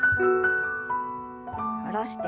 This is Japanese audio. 下ろして。